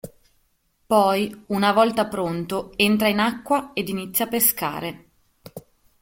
Poi, una volta pronto, entra in acqua ed inizia a pescare.